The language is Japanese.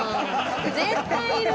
絶対いる。